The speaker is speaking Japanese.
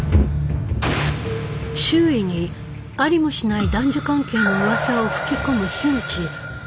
周囲にありもしない男女関係のうわさを吹き込む樋口。